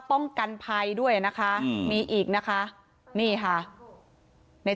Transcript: ป้องกันภัยด้วยนะคะอืมมีอีกนะคะนี่ค่ะในแจกบอกว่าเป็น